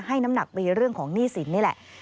น้ำหนักไปเรื่องของหนี้สินนี่แหละ